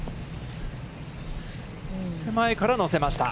手前から乗せました。